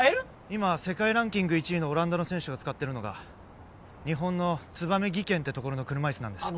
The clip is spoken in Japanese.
今世界ランキング１位のオランダの選手が使ってるのが日本のツバメ技研ってところの車いすなんです